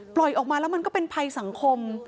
ปล่อยออกมาแล้วมันก็เป็นภัยสังคม